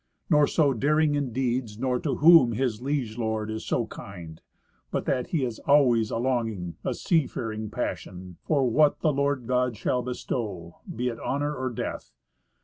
Nor so daring in deeds, nor to whom his liege lord is so kind. But that he has always a longing, a sea faring passion For what the Lord God shall bestow, be it honor or death.